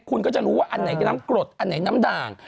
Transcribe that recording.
คุณก็จะรู้ว่าอันไหนน้ำกรดอันไหนน้ำด่าง